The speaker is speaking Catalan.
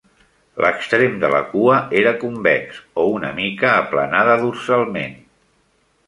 L"extrem de la cua era convex o una mica aplanada dorsalment.